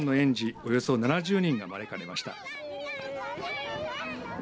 およそ７０人が招かれました。